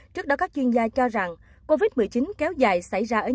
trước đó các chuyên gia cho rằng covid một mươi chín kéo dài xảy ra ở những bệnh